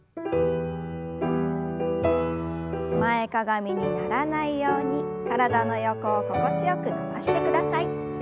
前かがみにならないように体の横を心地よく伸ばしてください。